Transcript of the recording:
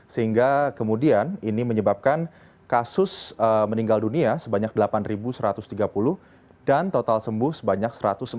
sehingga kemudian ini menyebabkan kasus meninggal dunia sebanyak delapan satu ratus tiga puluh dan total sembuh sebanyak satu ratus empat puluh